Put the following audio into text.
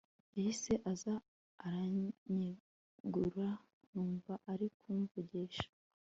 yahise aza aranyegura numva ari kumvugisha